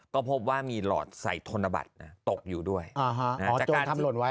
ก็พบว่ามีหลอดใส่ธนบัตรตกอยู่ด้วยจากการทำหล่นไว้